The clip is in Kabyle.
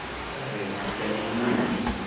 Terriḍ-tt kan i wurar.